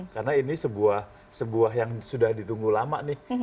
karena ini sebuah yang sudah ditunggu lama